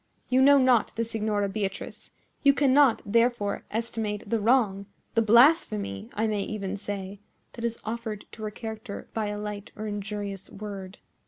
You know not the Signora Beatrice. You cannot, therefore, estimate the wrong—the blasphemy, I may even say—that is offered to her character by a light or injurious word."